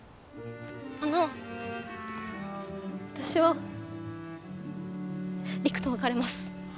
あの私は陸と別れます。